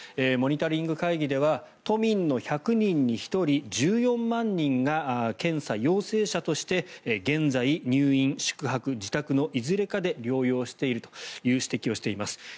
モニタリング会議では都民の１００人に１人１４万人が検査陽性者として現在、入院、宿泊、自宅のいずれかで療養しているという指摘をしています。